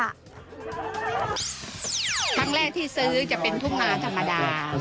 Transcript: ครั้งแรกที่ซื้อจะเป็นทุ่งนาธรรมดา